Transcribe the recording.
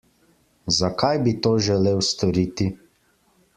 Zakaj bi to želel storiti?